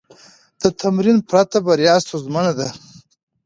د تمرین پرته، بریا ستونزمنه ده.